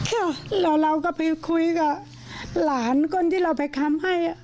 แล้วเราก็ไปคุยกับหลานคนที่เราไปค้ำให้